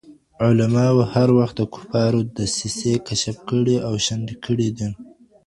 علماوو هر وخت د کفارو دسيسې کشف کړي او شنډي کړي دي.